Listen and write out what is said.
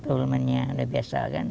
udah biasa kan